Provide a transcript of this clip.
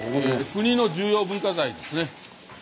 国の重要文化財ですね。